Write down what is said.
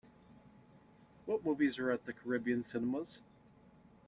What movies are at Caribbean Cinemas